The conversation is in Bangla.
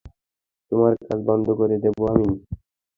তোমার কাজ বন্ধ করে দেবো আমি।